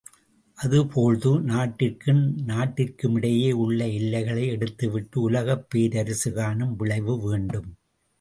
அதேபோழ்து நாட்டிற்கும் நாட்டிற்குமிடையே உள்ள எல்லைகளை எடுத்துவிட்டு உலகப் பேரரசு காணும் விழைவு வேண்டும்.